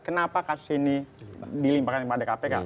kenapa kasus ini dilimpahkan kepada kpk